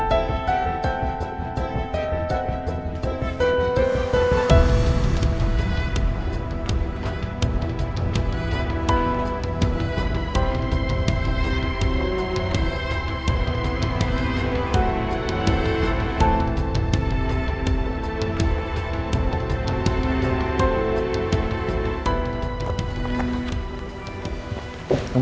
kena tes nama aku